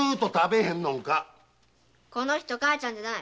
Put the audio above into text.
この人母ちゃんじゃない。